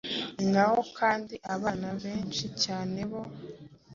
Ni nawo kandi abana be-nshi cyane bo